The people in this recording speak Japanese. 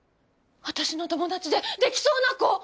私の友達でできそうな子！